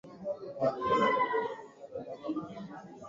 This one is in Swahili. baada ya mazungumzo ya siku mbili